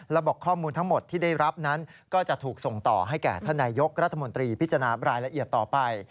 และบอกข้อมูลทั้งหมดที่ได้รับนั้นก็จะถูกส่งต่อให้แก่ท่านนายยกรัฐมนตรีพิจารณารายละเอียดต่อไป